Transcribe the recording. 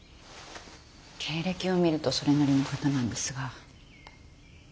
経歴を見るとそれなりの方なんですが。